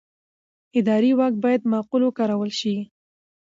اداري واک باید معقول وکارول شي.